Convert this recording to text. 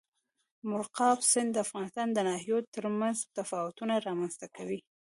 مورغاب سیند د افغانستان د ناحیو ترمنځ تفاوتونه رامنځ ته کوي.